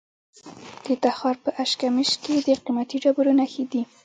د تخار په اشکمش کې د قیمتي ډبرو نښې دي.